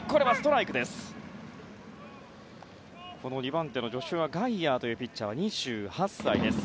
２番手のガイヤーというピッチャーは２８歳です。